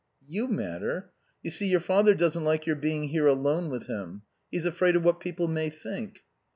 "You matter. You see, your father doesn't like your being here alone with him. He's afraid of what people may think."